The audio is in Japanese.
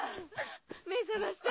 目覚まして！